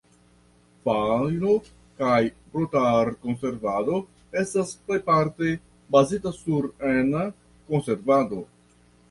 Faŭno- kaj brutar-konservado estas plejparte bazita sur ena konservado.